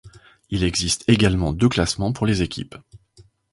Il existe également deux classements pour les équipes.